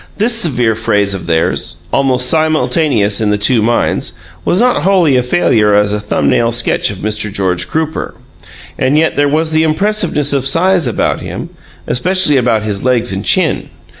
This severe phrase of theirs, almost simultaneous in the two minds, was not wholly a failure as a thumb nail sketch of Mr. George Crooper. And yet there was the impressiveness of size about him, especially about his legs and chin.